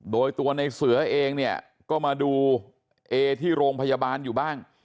โดยตัวในเสือเองเนี่ยก็มาดูเอที่โรงพยาบาลอยู่บ้าง